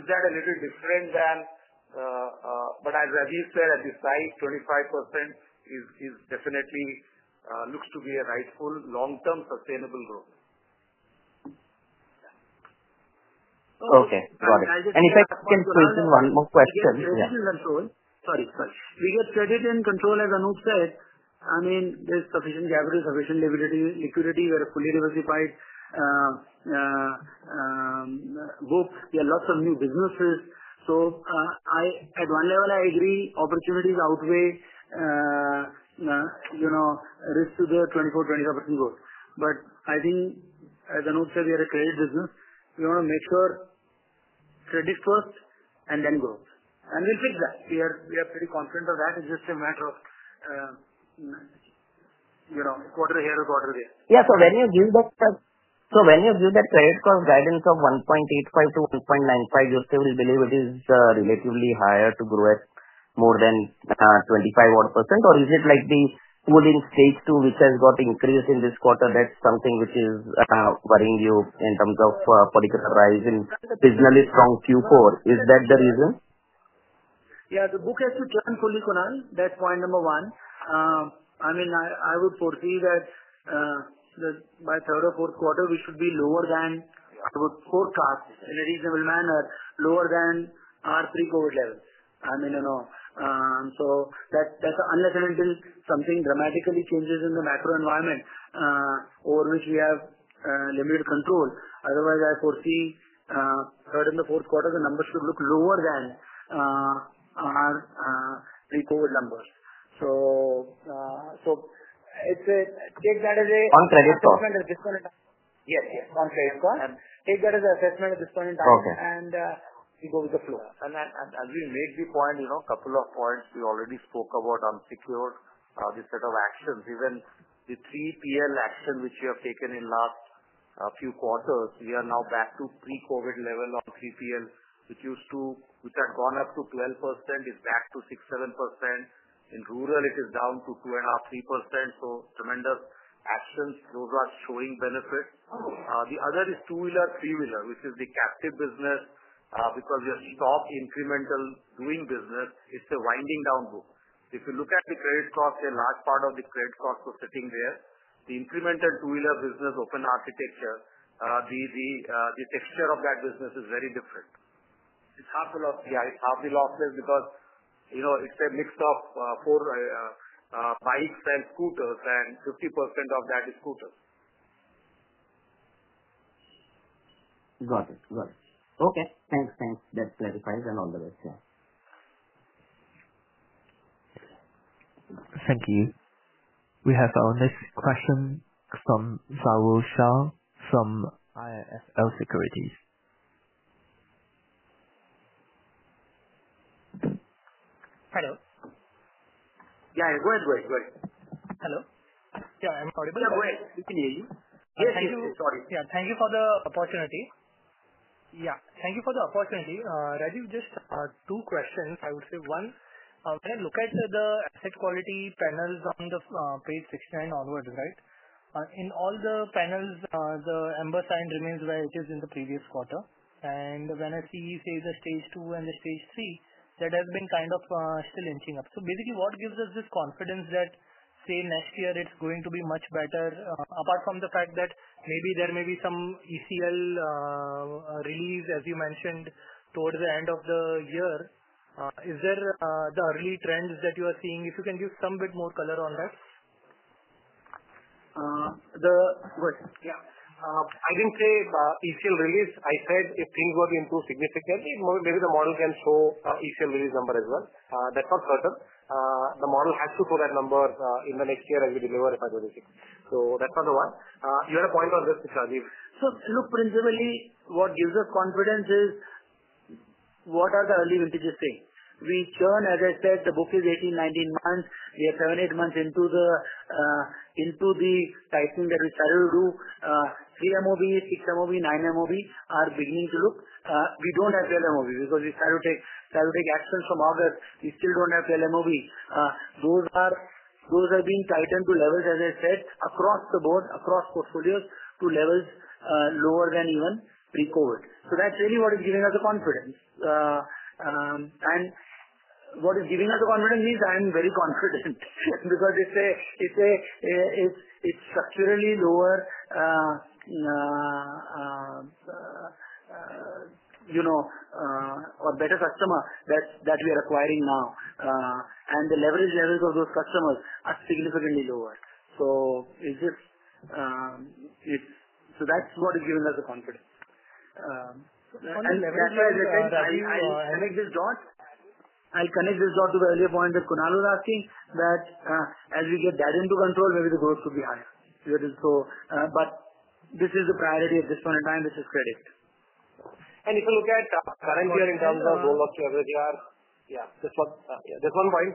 Is that a little different than—but as Rajeev said, at this side, 25% definitely looks to be a rightful long-term sustainable growth. Okay. Got it. If I can question one more question. Credit and control. Sorry, sorry. We get credit and control, as Anup said. I mean, there's sufficient capital, sufficient liquidity. We are a fully diversified group. We have lots of new businesses. At one level, I agree. Opportunities outweigh risk to the 24-25% growth. I think, as Anup said, we are a credit business. We want to make sure credit first and then growth. We'll fix that. We are pretty confident of that. It's just a matter of quarter here or quarter there. Yeah. When you give that—when you give that credit cost guidance of 1.85-1.95%, you still believe it is relatively higher to grow at more than 25%? Or is it like the holding stage two, which has got increased in this quarter, that's something which is worrying you in terms of particular rise in reasonably strong Q4? Is that the reason? Yeah. The book has to turn fully churned. That's point number one. I mean, I would foresee that by third or fourth quarter, we should be lower than I would forecast in a reasonable manner, lower than our pre-COVID levels. I mean, you know. That's unless and until something dramatically changes in the macro environment over which we have limited control. Otherwise, I foresee third and the fourth quarter, the numbers should look lower than our pre-COVID numbers. Take that as a—one credit score. Assessment at this point in time. Yes. Yes. One credit score. Take that as an assessment at this point in time, and we go with the flow. As we make the point, a couple of points we already spoke about unsecured, this set of actions. Even the 3PL action, which we have taken in the last few quarters, we are now back to pre-COVID level on 3PL, which had gone up to 12%, is back to 6-7%. In rural, it is down to 2.5-3%. Tremendous actions. Those are showing benefits. The other is two-wheeler, three-wheeler, which is the captive business. Because we have stopped incremental doing business, it is a winding down book. If you look at the credit cost, a large part of the credit costs are sitting there. The incremental two-wheeler business open architecture, the texture of that business is very different. It is half the loss. Yeah. It is half the losses because it is a mix of four bikes and scooters, and 50% of that is scooters. Got it. Got it. Okay. Thanks. Thanks. That clarifies and all the rest. Yeah. Thank you. We have our next question from Zhao Wu Shao from IIFL Securities. Hello? Yeah. Go ahead. Go ahead. Hello? Yeah. Am I audible? Yeah. Go ahead. We can hear you. Yes. Thank you. Sorry. Yeah. Thank you for the opportunity. Yeah. Thank you for the opportunity. Rajeev, just two questions. I would say one, when I look at the asset quality panels on page 69 onwards, right, in all the panels, the amber sign remains where it is in the previous quarter. And when I see, say, the stage two and the stage three, that has been kind of still inching up. Basically, what gives us this confidence that, say, next year it is going to be much better? Apart from the fact that maybe there may be some ECL release, as you mentioned, towards the end of the year, is there the early trends that you are seeing? If you can give some bit more color on that. Go ahead. Yeah. I did not say ECL release. I said if things were to improve significantly, maybe the model can show ECL release number as well. That's not certain. The model has to show that number in the next year as we deliver, if I don't mistake. That's not the one. You had a point on this, Rajeev. Look, principally, what gives us confidence is what are the early vintages saying? We churn, as I said, the book is 18-19 months. We are seven-eight months into the tightening that we started to do. Three MOB, six MOB, nine MOB are beginning to look. We don't have twelve MOB because we started to take actions from August. We still don't have twelve MOB. Those are being tightened to levels, as I said, across the board, across portfolios, to levels lower than even pre-COVID. That's really what is giving us the confidence. What is giving us the confidence means I'm very confident because they say it's structurally lower or better customer that we are acquiring now. The leverage levels of those customers are significantly lower. That is what is giving us the confidence. I will connect this dot. I will connect this dot to the earlier point that Kunal was asking that as we get that into control, maybe the growth could be higher. This is the priority at this point in time. This is credit. If you look at current year in terms of roll-up to average year, just one point.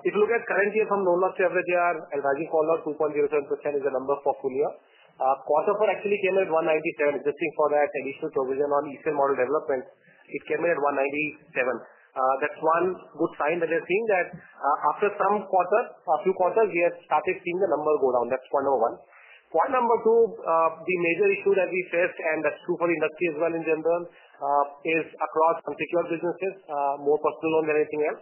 If you look at current year from roll-up to average year, as Rajeev called out, 2.07% is the number for full year. Cost offer actually came at 1.97%. Just think for that additional provision on ECL model development, it came in at 1.97%. That's one good sign that we are seeing that after a few quarters, we have started seeing the number go down. That's point number one. Point number two, the major issue that we faced, and that's true for the industry as well in general, is across unsecured businesses, more personal loan than anything else.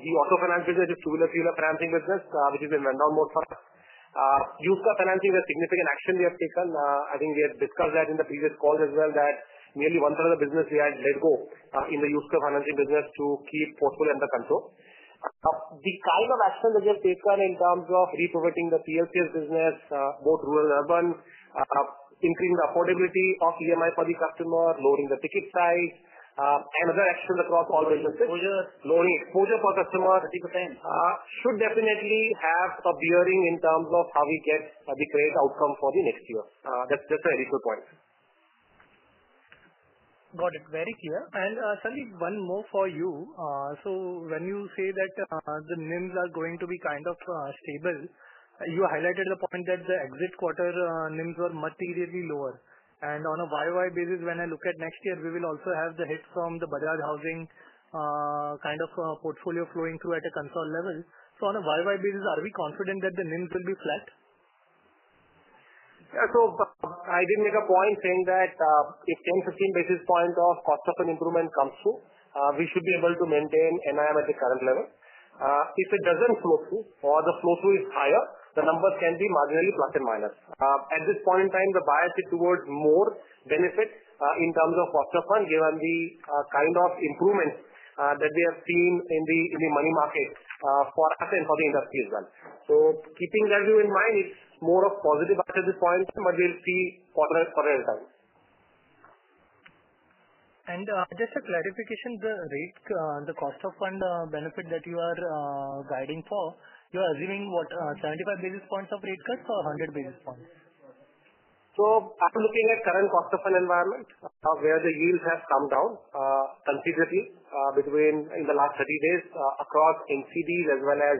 The auto finance business is two-wheeler, three-wheeler financing business, which has been run down most of it. Used car financing is a significant action we have taken. I think we had discussed that in the previous call as well, that nearly one-third of the business we had let go in the use car financing business to keep portfolio under control. The kind of action that we have taken in terms of repurposing the PLCS business, both rural and urban, increasing the affordability of EMI for the customer, lowering the ticket size, and other actions across all businesses, lowering exposure for customers should definitely have a bearing in terms of how we get the great outcome for the next year. That's just an additional point. Got it. Very clear. Sandeep, one more for you. When you say that the NIMs are going to be kind of stable, you highlighted the point that the exit quarter NIMs were materially lower. On a year-over-year basis, when I look at next year, we will also have the hit from the Bajaj Housing Finance kind of portfolio flowing through at a consolidated level. On a year-over-year basis, are we confident that the NIMs will be flat? Yeah. I did make a point saying that if 10-15 basis points of cost of an improvement comes through, we should be able to maintain NIM at the current level. If it does not flow through or the flow-through is higher, the numbers can be marginally plus and minus. At this point in time, the bias is towards more benefit in terms of cost of fund given the kind of improvements that we have seen in the money market for us and for the industry as well. Keeping that view in mind, it is more of positive at this point, but we will see for the real time. Just a clarification, the cost of fund benefit that you are guiding for, you are assuming what, 75 basis points of rate cuts or 100 basis points? I'm looking at current cost of fund environment where the yields have come down considerably in the last 30 days across NCDs as well as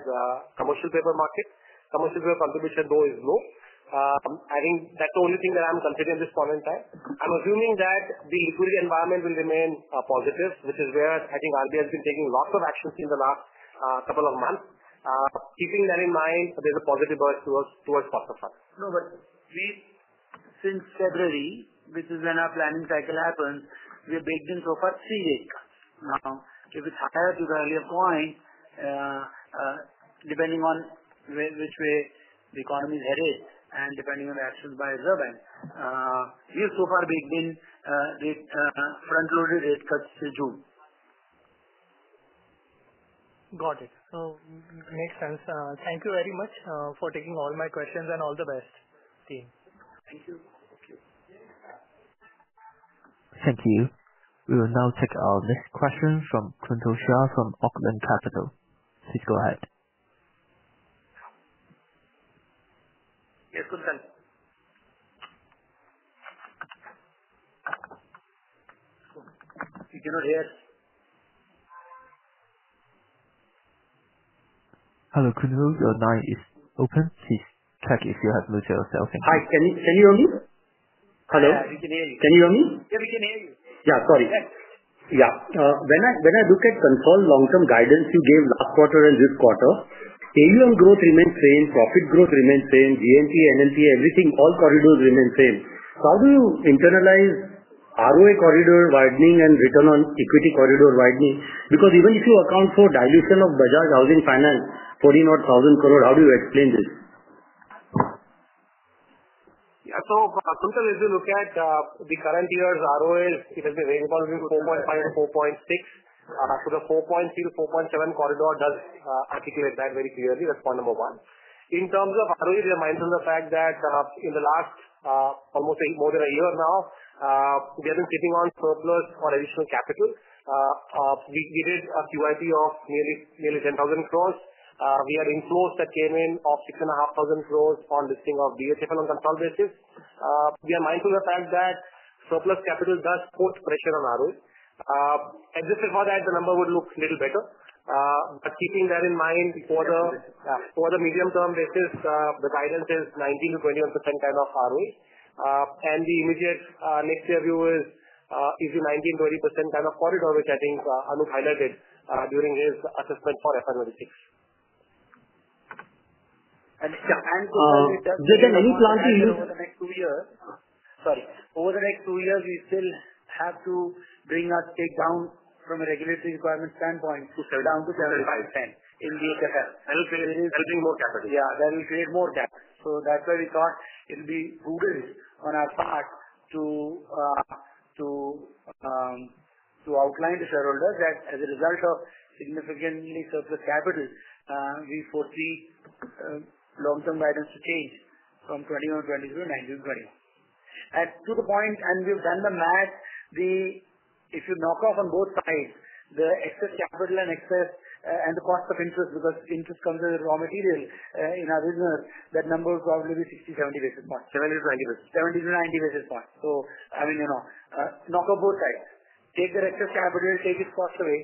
commercial paper market. Commercial paper contribution, though, is low. I think that's the only thing that I'm considering at this point in time. I'm assuming that the liquidity environment will remain positive, which is where I think RBI has been taking lots of actions in the last couple of months. Keeping that in mind, there's a positive bias towards cost of fund. No, but since February, which is when our planning cycle happens, we have baked in so far three rate cuts. Now, if it's higher to the earlier point, depending on which way the economy is headed and depending on the actions by RBI, we have so far baked in front-loaded rate cuts to June. Got it. It makes sense. Thank you very much for taking all my questions and all the best, team. Thank you. Thank you. Thank you. We will now take our next question from Kunal Shah from Kotak Capital. Please go ahead. Yes, Kunal. You cannot hear us. Hello, Kunal. Your line is open. Please check if you have muted yourself. Thank you. Hi. Can you hear me? Hello? Yeah. We can hear you. Can you hear me? Yeah. We can hear you. Yeah. Sorry. Yeah. When I look at consolidated long-term guidance you gave last quarter and this quarter, AUM growth remains same, profit growth remains same, GNPA, NNPA, everything, all corridors remain same. How do you internalize ROA corridor widening and return on equity corridor widening? Because even if you account for dilution of Bajaj Housing Finance, 40,000 crore, how do you explain this? Yeah. Kunal, if you look at the current year's ROAs, it has been ranging from 4.5% to 4.6%. The 4.3-4.7 corridor does articulate that very clearly. That's point number one. In terms of ROA, we are mindful of the fact that in the last almost more than a year now, we have been sitting on surplus or additional capital. We did a QIP of nearly 10,000 crore. We had inflows that came in of 6,500 crore on listing of BHFL on consolidated basis. We are mindful of the fact that surplus capital does put pressure on ROA. Existing for that, the number would look a little better. Keeping that in mind, for the medium-term basis, the guidance is 19%-21% kind of ROA. The immediate next-year view is easy 19%-20% kind of corridor, which I think Anup highlighted during his assessment for FR26. any plan to use over the next two years? Sorry. Over the next two years, we still have to bring our stake down from a regulatory requirement standpoint to 75% in BHFL. That will create more capital. Yeah. That will create more capital. That is why we thought it would be prudent on our part to outline to shareholders that as a result of significantly surplus capital, we foresee long-term guidance to change from 21, 22 to 19, 21. To the point, and we've done the math, if you knock off on both sides, the excess capital and the cost of interest, because interest comes as a raw material in our business, that number will probably be 60-70 basis points. 70-90 basis points. I mean, knock off both sides. Take the excess capital, take its cost away,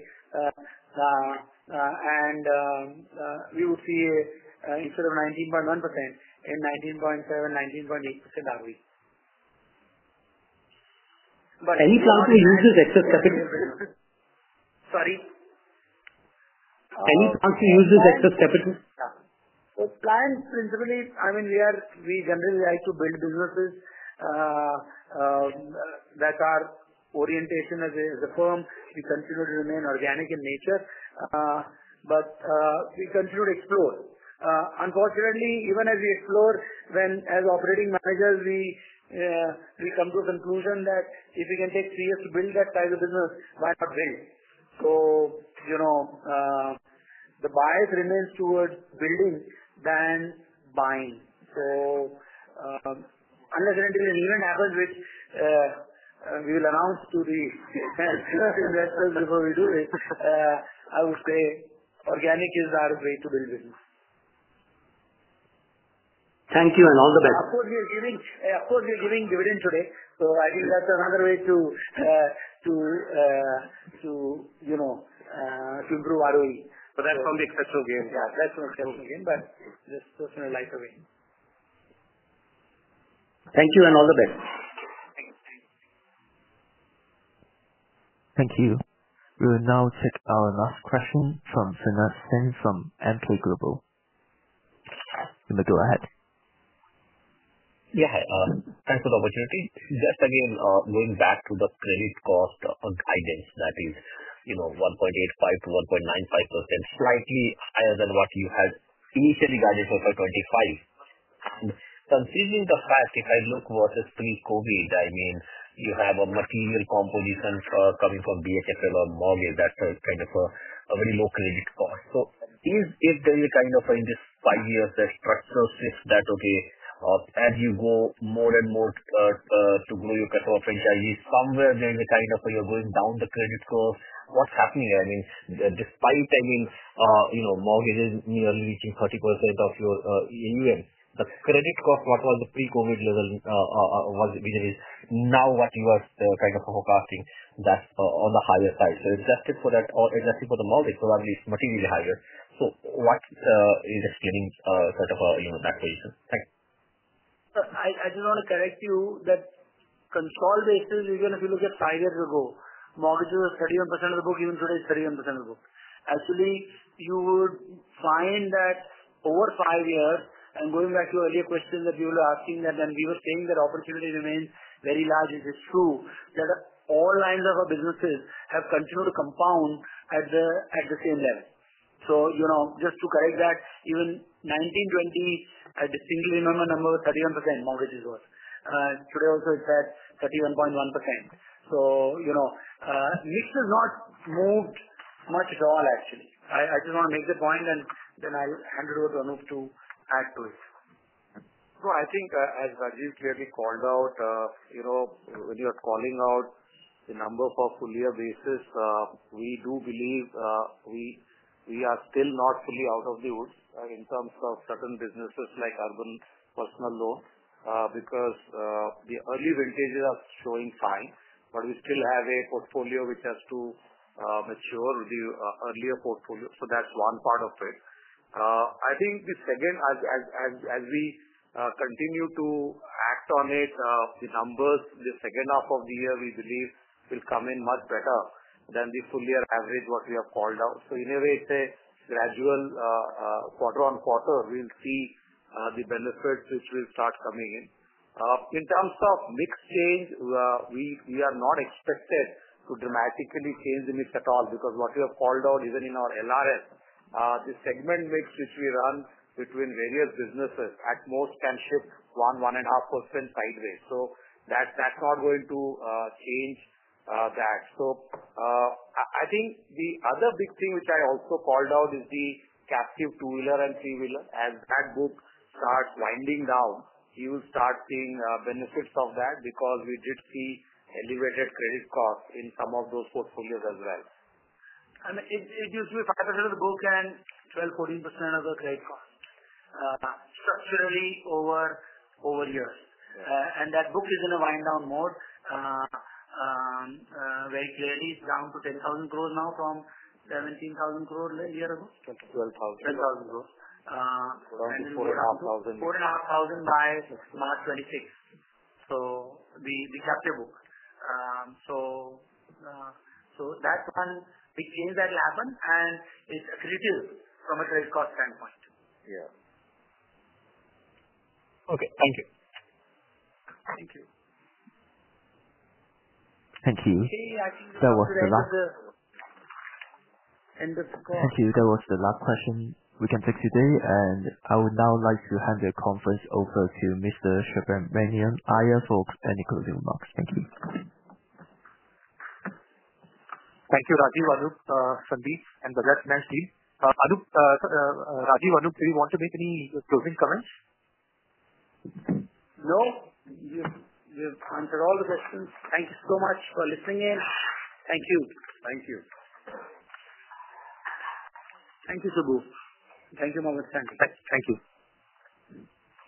and we would see instead of 19.1%, in 19.7, 19.8% ROE. Any plan to use this excess capital? Sorry? Any plan to use this excess capital? Yeah. Plans, principally, I mean, we generally like to build businesses. That is our orientation as a firm. We continue to remain organic in nature, but we continue to explore. Unfortunately, even as we explore, as operating managers, we come to a conclusion that if we can take three years to build that size of business, why not build? The bias remains towards building than buying. Unless an event happens which we will announce to the investors before we do it, I would say organic is our way to build business. Thank you. All the best. Of course, we are giving dividend today. I think that's another way to improve ROE. That's from the exceptional gain. Yeah. That's from the exceptional gain, but just personally light away. Thank you. All the best. Thank you. Thank you. We will now take our last question from Avinash Singh from Emkay Global. You may go ahead. Yeah. Thanks for the opportunity. Just again, going back to the credit cost guidance, that is 1.85-1.95%, slightly higher than what you had initially guided for 2025. And considering the fact, if I look versus pre-COVID, I mean, you have a material composition coming from Bajaj Housing Finance or mortgage. That's kind of a very low credit cost. If there is a kind of in this five years, there's structural shift that, okay, as you go more and more to grow your capital franchises, somewhere there is a kind of you're going down the credit score. What's happening? I mean, despite, I mean, mortgages nearly reaching 30% of your AUM, the credit cost, what was the pre-COVID level, now what you are kind of forecasting, that's on the higher side. Is it just for that or it's just for the mortgage, so at least materially higher. What is explaining sort of that position? Thank you. I just want to correct you that on a consolidated basis, even if you look at five years ago, mortgages were 31% of the book, even today it's 31% of the book. Actually, you would find that over five years, and going back to earlier questions that you were asking, that then we were saying that opportunity remains very large, it is true that all lines of our businesses have continued to compound at the same level. Just to correct that, even in 2019-2020, I distinctly remember the number was 31% mortgages were. Today also it's at 31.1%. Mix has not moved much at all, actually. I just want to make the point, and then I'll hand it over to Anup to add to it. I think as Rajeev clearly called out, when you are calling out the number for full year basis, we do believe we are still not fully out of the woods in terms of certain businesses like urban personal loan because the early vintages are showing fine, but we still have a portfolio which has to mature, the earlier portfolio. That's one part of it. I think the second, as we continue to act on it, the numbers, the second half of the year, we believe will come in much better than the full year average what we have called out. In a way, it's a gradual quarter on quarter, we'll see the benefits which will start coming in. In terms of mix change, we are not expected to dramatically change the mix at all because what we have called out, even in our LRF, the segment mix which we run between various businesses at most can shift 1-1.5% sideways. That is not going to change that. I think the other big thing which I also called out is the captive two-wheeler and three-wheeler. As that book starts winding down, you will start seeing benefits of that because we did see elevated credit cost in some of those portfolios as well. It gives you 5% of the book and 12-14% of the credit cost structurally over years. That book is in a wind down mode very clearly. It is down to 10,000 crore now from 17,000 crore a year ago. 10,000. 10,000 crore. We have got INR 4,500 by March 2026. The captive book. That is one big change that will happen, and it is accretive from a credit cost standpoint. Yeah. Okay. Thank you. Thank you. Thank you. That was the last question we can take today. I would now like to hand the conference over to Mr. Subramaniam Iyer for any closing remarks. Thank you. Thank you, Rajeev, Anup, Sandeep, and the rest of the management team. Anup, Rajeev, Anup, do you want to make any closing comments? No. You've answered all the questions. Thank you so much for listening in. Thank you. Thank you. Thank you, Subramaniam. Thank you, Sandeep Jain. Thank you.